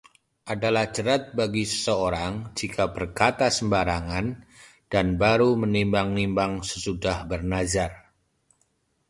Adalah jerat bagi seseorang jika berkata sembarangan, dan baru menimbang-nimbang sesudah bernazar.